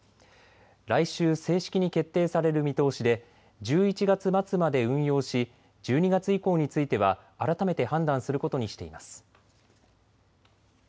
来週正式に決定される見通しで１１月末まで運用し１２月以降については改めて判断することにしています。